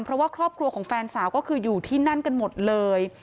เพราะว่าครอบครัวของแฟนสาวก็คืออยู่ที่นั่นกันหมดเลย